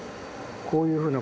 こういうふうな